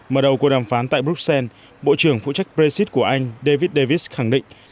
mở đầu cuộc đàm phán tại bruxelles bộ trưởng phụ trách brexit của anh david davis khẳng định